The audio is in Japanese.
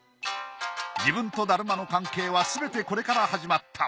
自分と達磨の関係はすべてこれから始まった。